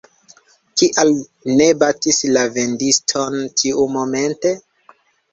Kial ne bati la vendiston tiumomente?